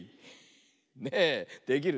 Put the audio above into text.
ねえできるね。